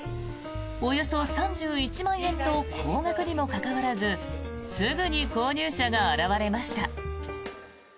およそ３１万円と高額にもかかわらずすぐに購入者が現れました。